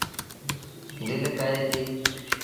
دل ڪهي دي۔